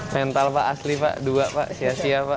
mental pak asli pak dua pak sia sia pak